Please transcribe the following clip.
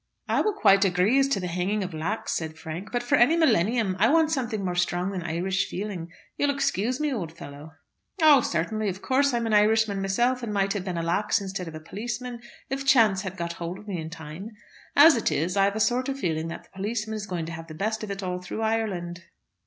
"I will quite agree as to the hanging of Lax," said Frank; "but for any millennium, I want something more strong than Irish feeling. You'll excuse me, old fellow." "Oh, certainly! Of course, I'm an Irishman myself, and might have been a Lax instead of a policeman, if chance had got hold of me in time. As it is, I've a sort of feeling that the policeman is going to have the best of it all through Ireland."